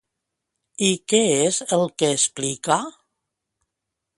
I què és el que explica?